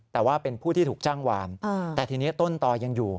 แต่ว่าเป็นผู้ที่ถูกจ้างวามแต่ทีนี้ต้นต่อยังอยู่